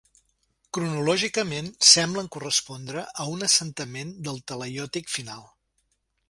Cronològicament semblen correspondre a un assentament del talaiòtic final.